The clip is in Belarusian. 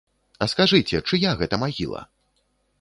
А скажыце, чыя гэта магіла?